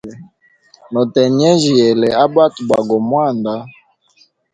No tegnejya yele a bwata bwa go mwanda.